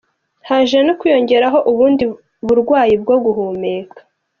Haje no kwiyongeraho ubundi burwayi bwo guhumeka.